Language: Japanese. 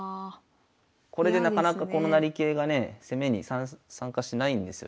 これでなかなかこの成桂がね攻めに参加しないんですよ